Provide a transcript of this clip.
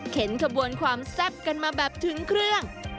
ขบวนความแซ่บกันมาแบบถึงเครื่อง